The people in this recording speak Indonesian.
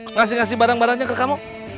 ngasih ngasih barang barangnya ke kamu